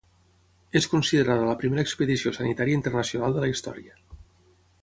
És considerada la primera expedició sanitària internacional de la història.